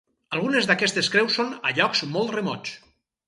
Algunes d'aquestes creus són a llocs molt remots.